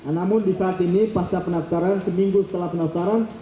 namun di saat ini pasca penelusuran seminggu setelah penelusuran